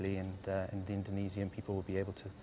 dan orang indonesia akan bisa